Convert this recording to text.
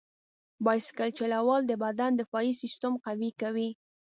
بایسکل چلول د بدن دفاعي سیستم قوي کوي.